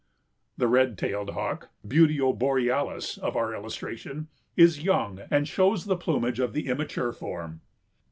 The Red tailed Hawk (Buteo borealis) of our illustration is young and shows the plumage of the immature form.